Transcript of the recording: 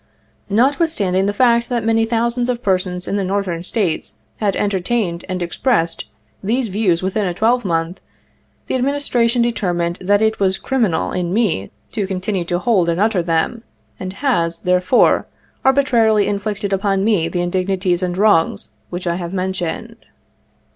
Notwithstanding the fact that many thousands of persons in the Northern States had enter tained and expressed these views within a twelve month, the Adminis tration determined that it was criminal in me to continue to hold and utter them, and has, therefore, arbitrarily inflicted upon me the indig nities and wrongs which I have mentioned.